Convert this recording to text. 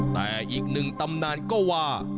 แต่อีกหนึ่งตำนานก็ว่า